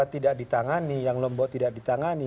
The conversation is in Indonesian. tidak ditangani yang lombok tidak ditangani